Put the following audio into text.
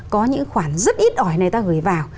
có những khoản rất ít ỏi này ta gửi vào